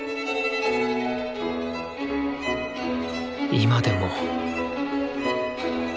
今でも。